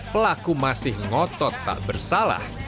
pelaku masih ngotot tak bersalah